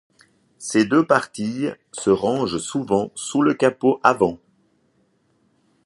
Ces deux parties se rangent sous le capot avant.